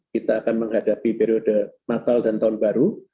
kita akan menghadapi periode natal dan tahun baru